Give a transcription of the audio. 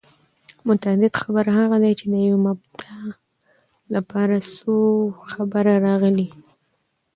متعدد خبر هغه دئ، چي د یوې مبتداء له پاره څو خبره راغلي يي.